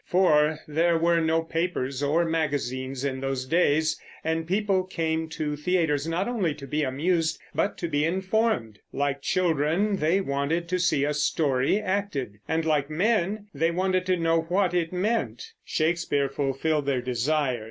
For there were no papers or magazines in those days, and people came to the theaters not only to be amused but to be informed. Like children, they wanted to see a story acted; and like men, they wanted to know what it meant. Shakespeare fulfilled their desire.